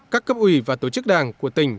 các cấp ủy và tổ chức đảng của tỉnh